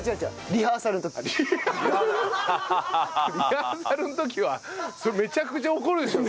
リハーサルの時はめちゃくちゃ怒るでしょ